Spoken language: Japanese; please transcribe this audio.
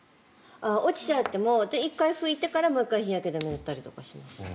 落ちちゃっても１回拭いてからもう１回日焼け止め塗ったりします。